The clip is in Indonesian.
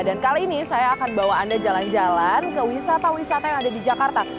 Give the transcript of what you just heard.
dan kali ini saya akan bawa anda jalan jalan ke wisata wisata yang ada di jakarta